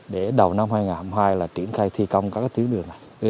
để đầu năm hai nghìn hai mươi hai triển khai thi công các tiến đường này